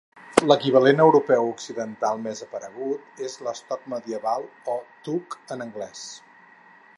L'equivalent europeu occidental més aparegut és l'estoc medieval o "tuck" en anglès.